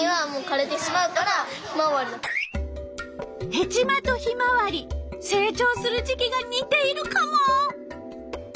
ヘチマとヒマワリ成長する時期が似ているカモ！